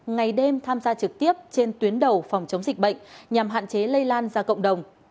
ngày đêm tham gia trực tiếp trên tuyến đầu phòng chống dịch bệnh nhằm hạn chế lây lan ra cộng đồng